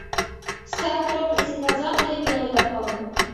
سەل تۇرۇپ ئېسىمگە ئازراق كېلىپ، يەنە ئويلاپ قالدىم.